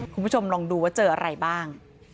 คุณผู้ชมลองดูว่าเจออะไรบ้าง